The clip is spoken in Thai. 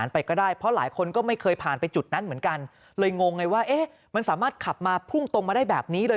ไปก็ได้เพราะหลายคนก็ไม่เคยผ่านไปจุดนั้นเหมือนกันเลยงงไงว่าเอ๊ะมันสามารถขับมาพุ่งตรงมาได้แบบนี้เลย